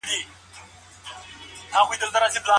ایا لوی صادروونکي پسته ساتي؟